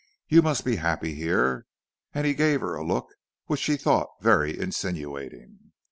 You must be happy here." And he gave her a look which she thought very insinuating.